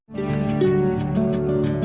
hãy đăng ký kênh để ủng hộ kênh của mình nhé